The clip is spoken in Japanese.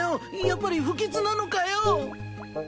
やっぱり不吉なのかよ？